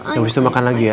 sampai disitu makan lagi ya